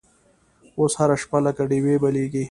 اوس هره شپه لکه ډیوې بلیږې